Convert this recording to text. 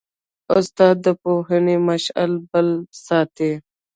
استاد د پوهنې مشعل بل ساتي.